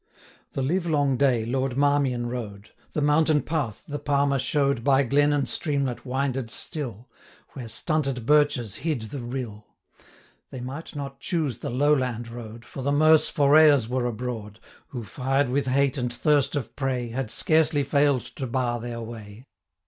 The livelong day Lord Marmion rode: The mountain path the Palmer show'd By glen and streamlet winded still, Where stunted birches hid the rill. They might not choose the lowland road, 5 For the Merse forayers were abroad, Who, fired with hate and thirst of prey, Had scarcely fail'd to bar their way.